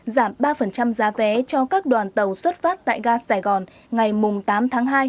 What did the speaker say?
giảm ba giá vé cho các đoàn tàu xuất phát tại ga sài gòn ngày tám tháng hai